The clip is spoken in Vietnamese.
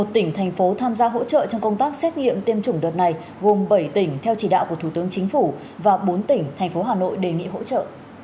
một mươi tỉnh thành phố tham gia hỗ trợ trong công tác xét nghiệm tiêm chủng đợt này gồm bảy tỉnh theo chỉ đạo của thủ tướng chính phủ và bốn tỉnh thành phố hà nội đề nghị hỗ trợ